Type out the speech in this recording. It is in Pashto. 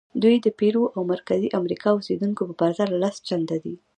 دوی د پیرو او مرکزي امریکا اوسېدونکو په پرتله لس چنده دي.